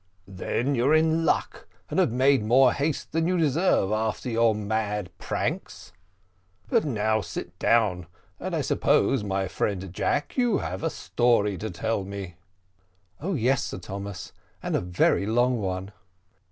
"Then you're in luck, and have made more haste than you deserve, after your mad pranks; but now sit down, and I suppose, my friend Jack, you have a story to tell me." "Oh, yes, Sir Thomas, and a very long one."